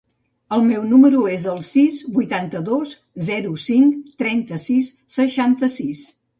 El meu número es el sis, vuitanta-dos, zero, cinc, trenta-sis, seixanta-sis.